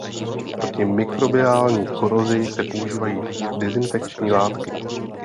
Proti mikrobiální korozi se používají dezinfekční látky.